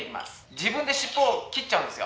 自分で尻尾を切っちゃうんですよ。